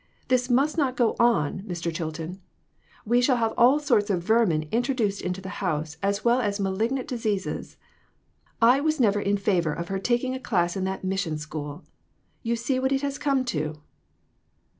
This must not go on, Mr. Chilton. We shall have all sorts of vermin intro duced into the house, as well as malignant dis eases. I was never in favor of her taking a class in that mission school. You see what it has come to."